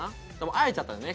会えちゃったんだよね